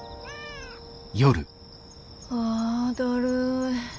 あだるい。